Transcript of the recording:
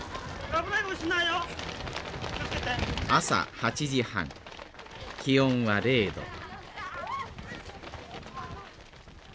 朝８時半気温は０度。